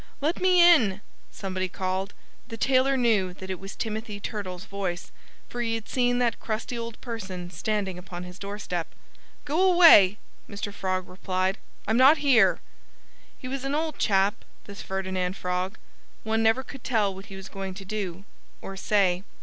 "Let me in!" somebody called. The tailor knew that it was Timothy Turtle's voice, for he had seen that crusty old person standing upon his doorstep. "Go away!" Mr. Frog replied. "I'm not here." He was an odd chap this Ferdinand Frog. One never could tell what he was going to do or say.